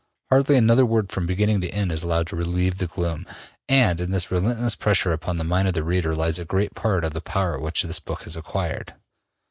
Hardly another word from beginning to end is allowed to relieve the gloom, and in this relentless pressure upon the mind of the reader lies a great part of the power which this book has acquired.